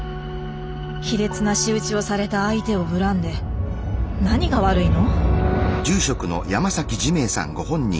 卑劣な仕打ちをされた相手を恨んで何が悪いの？